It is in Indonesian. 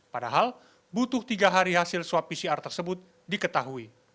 padahal butuh tiga hari hasil swab pcr tersebut diketahui